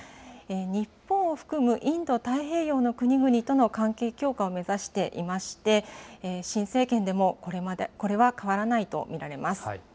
日本を含むインド太平洋の国々との関係強化を目指していまして、新政権でもこれは変わらないと見られます。